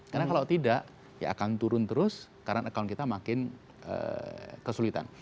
karena kalau tidak ya akan turun terus karena account kita makin kesulitan